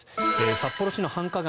札幌市の繁華街